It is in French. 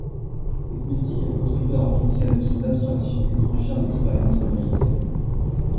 Cette politique a contribué à renforcer la notion d'abstraction, étrangère à l'expérience américaine.